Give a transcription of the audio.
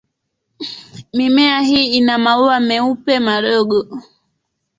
Mimea hii ina maua meupe madogo.